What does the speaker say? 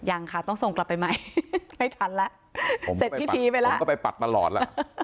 ยังค่ะต้องส่งกลับไปใหม่ไม่ทันละเสร็จพิธีไปละ